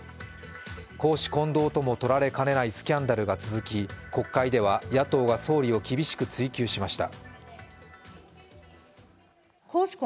公私混同ともとられかねないスキャンダルが続き国会では野党が総理を厳しく追及しました。